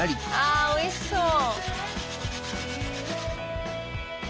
あおいしそう。